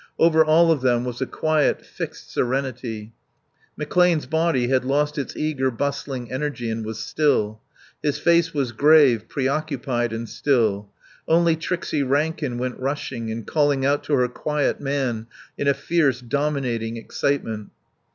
Over all of them was a quiet, fixed serenity. McClane's body had lost its eager, bustling energy and was still; his face was grave, preoccupied and still; only Trixie Rankin went rushing, and calling out to her quiet man in a fierce, dominating excitement.